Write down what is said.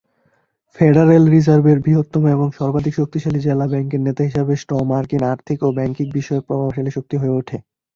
Federal রিজার্ভের বৃহত্তম এবং সর্বাধিক শক্তিশালী জেলা ব্যাংকের নেতা হিসাবে, স্ট্রং মার্কিন আর্থিক ও ব্যাংকিং বিষয়ক প্রভাবশালী শক্তি হয়ে ওঠে।